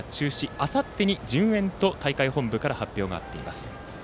あさってに順延と、大会本部から発表があります。